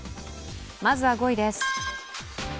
まずは５位です。